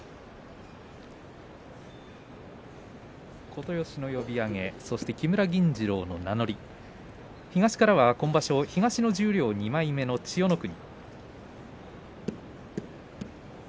琴吉の呼び上げ木村銀治郎の名乗り東からは東の十両２枚目の千代の国。